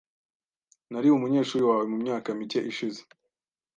Nari umunyeshuri wawe mumyaka mike ishize .